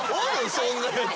そんなやつ。